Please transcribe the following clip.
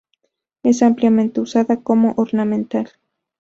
Es ampliamente usada como ornamental.